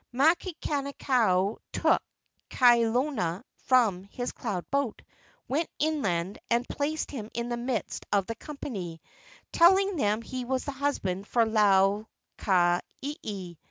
Makani kau took Kawelona from his cloud boat, went inland, and placed him in the midst of the company, telling them he was the husband for Lau ka ieie.